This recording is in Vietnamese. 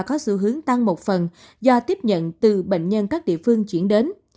có xu hướng tăng một phần do tiếp nhận từ bệnh nhân các địa phương chuyển đến